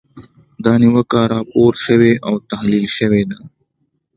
دا نیوکه راپور شوې او تحلیل شوې ده.